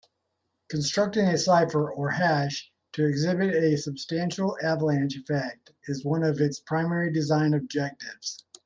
Constructing a cipher or hash to exhibit a substantial avalanche effect is one of its primary design objectives.